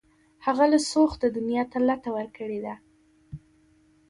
هغه له سوخته دنیا ته لته ورکړې ده